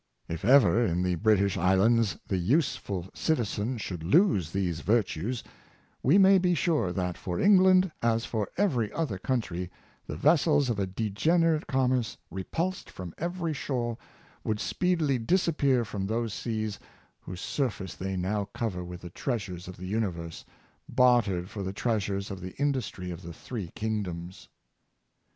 If ever in the British Islands the useful citizen should lose these virtues, we may be sure that, for England, as for every other coun try, the vessels of a degenerate commerce, repulsed from every shore, would speedily disappear from those seas whose surface they now cover with the treasures of the universe, bartered for the treasures of the industry of the three kingdoms."